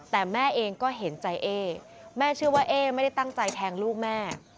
แต่แม่เองก็เห็นใจเอ๊แม่เชื่อว่าเอ๊ไม่ได้ตั้งใจแทงลูกแม่